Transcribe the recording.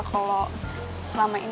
kalo selama ini